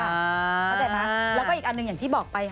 เข้าใจไหมแล้วก็อีกอันหนึ่งอย่างที่บอกไป